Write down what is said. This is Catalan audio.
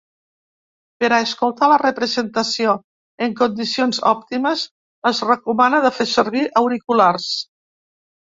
Per a escoltar la representació en condicions òptimes, es recomana de fer servir auriculars.